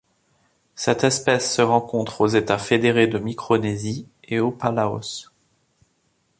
Cette espèce se rencontre aux États fédérés de Micronésie et aux Palaos.